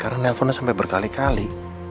karena nelponnya sampai berkali kali